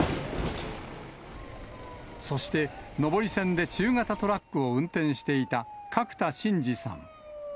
そして上り線で中型トラックを運転していた角田進治さん。